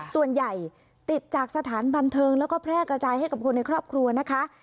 ส่วนใหญ่ติดจากสถานบันเทิงแล้วก็แพร่กระจายให้กับคนในครอบครัวนะคะ